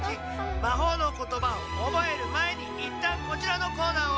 まほうのことばをおぼえるまえにいったんこちらのコーナーを。